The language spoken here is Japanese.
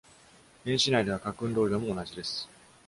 原子内では角運動量も同じです。